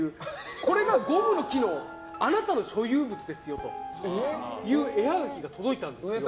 これがゴムの木のあなたの所有物ですよという絵ハガキが届いたんです。